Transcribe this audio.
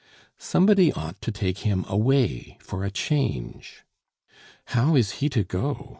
Somebody ought to take him away for a change " "How is he to go?"